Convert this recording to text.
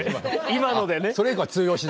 今のでね。